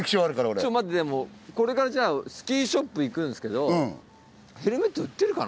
ちょっと待ってでもこれからスキーショップ行くんですけどヘルメット売ってるかな？